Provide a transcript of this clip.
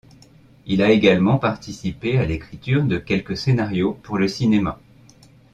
Il a également participé à l'écriture de quelques scénarios pour le cinéma.